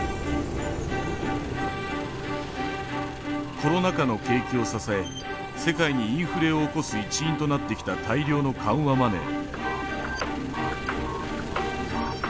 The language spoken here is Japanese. コロナ禍の景気を支え世界にインフレを起こす一因となってきた大量の緩和マネー。